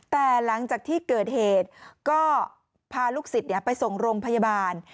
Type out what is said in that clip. แต่หลังจากที่เกิดเหตุก็พาลูกศิษย์ไปส่งโรงพยาบาล